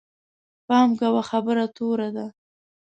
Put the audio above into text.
پام کوه، خبره توره ده